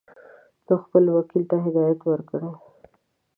ده خپل وکیل ته هدایت ورکړ.